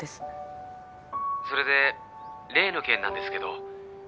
☎それで例の件なんですけど。